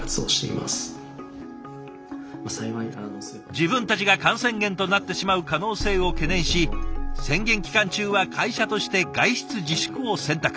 自分たちが感染源となってしまう可能性を懸念し宣言期間中は会社として外出自粛を選択。